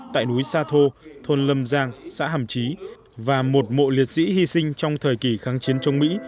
tại núi sa thô thôn lâm giang xã hàm trí và một mộ liệt sĩ hy sinh trong thời kỳ kháng chiến chống mỹ